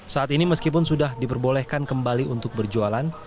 saat ini meskipun sudah diperbolehkan kembali untuk berjualan